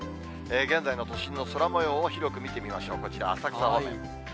現在の都心の空もようを広く見てみましょう、こちら、浅草方面。